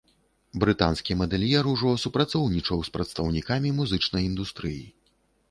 Брытанскі мадэльер ўжо супрацоўнічаў з прадстаўнікамі музычнай індустрыі.